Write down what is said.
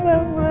suara e gus ya